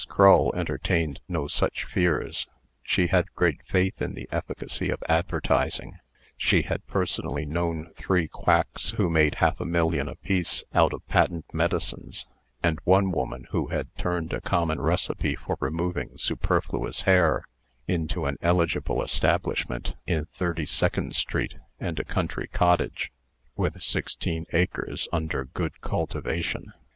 Crull entertained no such fears. She had great faith in the efficacy of advertising. She had personally known three quacks who made half a million apiece out of patent medicines; and one woman who had turned a common recipe for removing superfluous hair into an eligible establishment in Thirty second street, and a country cottage, with sixteen acres under good cultivation.